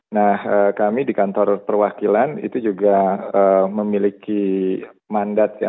nah kami di kantor perwakilan itu juga memiliki mandat ya